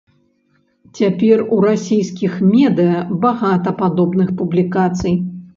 Цяпер у расійскіх медыя багата падобных публікацый.